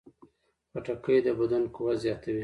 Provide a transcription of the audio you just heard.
خټکی د بدن قوت زیاتوي.